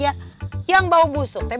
aku sayang banget pak arifa